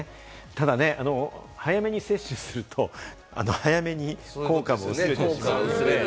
ただ早めに接種すると早めに効果も薄れてしまう。